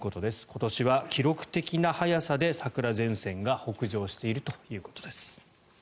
今年は記録的な早さで桜前線が北上しているということです。